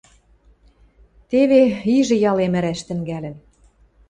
– Теве, ижӹ ялем ӹрӓш тӹнгӓлӹн...